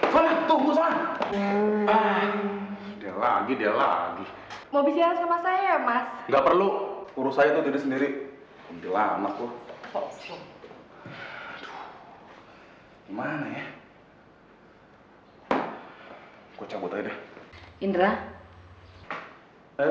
sampai jumpa di video selanjutnya